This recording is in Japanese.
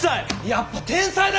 やっぱ天才だ！